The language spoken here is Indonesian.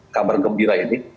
kabar gembira ini